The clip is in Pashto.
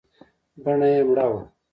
بڼه يې مړه وه .